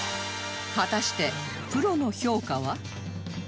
果たしてプロの評価は？